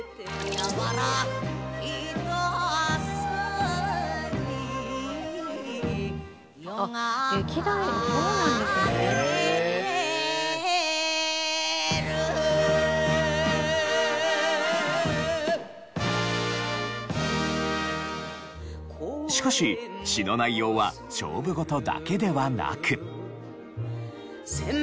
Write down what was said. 「夜が明ける」しかし詞の内容は勝負事だけではなく。